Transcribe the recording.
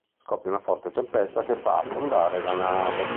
Scoppia una forte tempesta che fa affondare la nave.